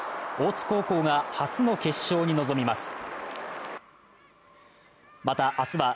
大津高校が初の決勝に臨みます。